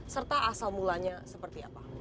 serta asal mulanya seperti apa